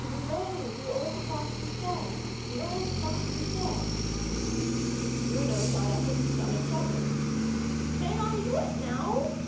Hooray ! The old Fox is dead ! The old Fox is dead !'' Bruno got up in some excitement. " May I do it now